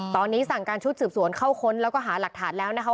ตอนนี้สั่งการชุดสืบสวนเข้าค้นแล้วก็หาหลักฐานแล้วนะคะ